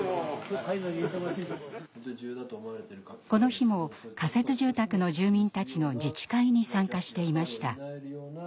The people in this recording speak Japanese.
この日も仮設住宅の住民たちの自治会に参加していました。